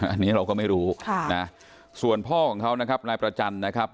อันนี้เราก็ไม่รู้ส่วนพ่อของเขานะครับนายประจันทร์นะครับ